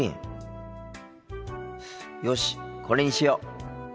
よしこれにしよう。